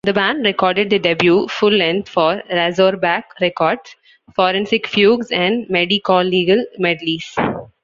The band recorded their debut full-length for Razorback Records, "Forensic Fugues and Medicolegal Medleys".